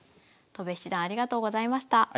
戸辺七段ありがとうございました。